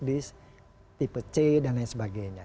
di tipe c dan lain sebagainya